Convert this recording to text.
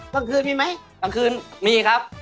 กลางคืนมีไหมกลางคืนมีครับ